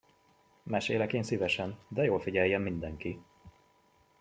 Mesélek én szívesen, de jól figyeljen mindenki!